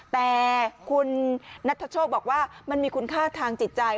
แต่คุณนัทโชคบอกว่ามันมีคุณค่าทางจิตใจ